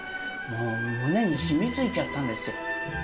もう胸にしみついちゃったんですよ